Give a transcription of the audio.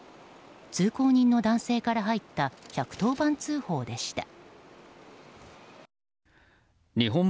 通行人の男性から入った１１０番通報でした。